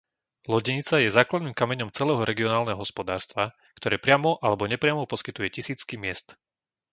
Lodenica je základným kameňom celého regionálneho hospodárstva, ktoré priamo alebo nepriamo poskytuje tisícky miest.